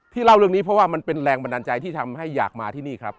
เล่าเรื่องนี้เพราะว่ามันเป็นแรงบันดาลใจที่ทำให้อยากมาที่นี่ครับ